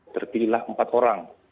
terpilih empat orang